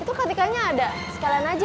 itu ketikanya ada sekalian aja